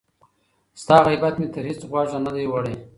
ستا غیبت مي تر هیڅ غوږه نه دی وړی